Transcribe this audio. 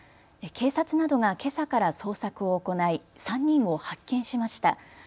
警察などがけさから捜索を行い３人を発見しました。